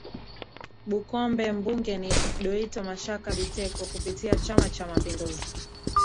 Bukombe mbunge ni Doitto Mashaka Biteko kupitia Chama cha mapinduzi